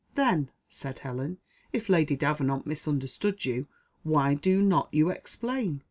"Then," said Helen, "if Lady Davenant misunderstood you, why do not you explain?"